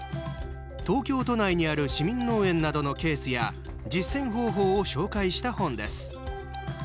東京都内にある市民農園などのケースや実践方法を紹介した本です。